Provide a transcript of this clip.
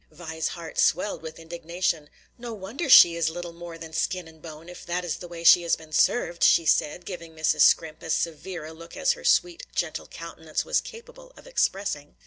Vi's heart swelled with indignation. "No wonder she is little more than skin and bone, if that is the way she has been served!" she said, giving Mrs. Scrimp as severe a look as her sweet, gentle countenance was capable of expressing.